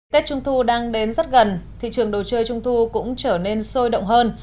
tết trung thu đang đến rất gần thị trường đồ chơi trung thu cũng trở nên sôi động hơn